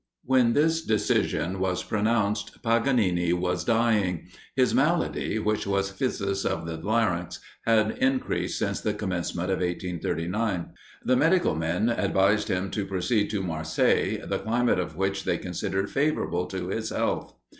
When this decision was pronounced, Paganini was dying his malady, which was phthisis of the larynx, had increased since the commencement of 1839. The medical men advised him to proceed to Marseilles, the climate of which they considered favourable to his health.